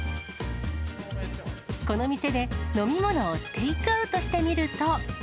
この店で飲み物をテイクアウトしてみると。